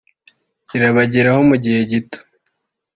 irabageraho mu gihe gito